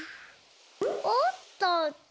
おっとっと。